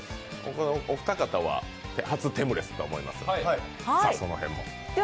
お二方は初テムレスだと思いますので、その辺を。